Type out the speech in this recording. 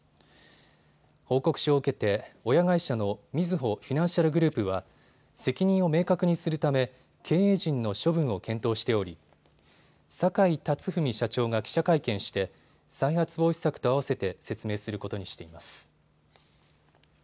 報告書を受けて親会社のみずほフィナンシャルグループは責任を明確にするため経営陣の処分を検討しており坂井辰史社長が記者会見して再発防止策とあわせて説明することにしています。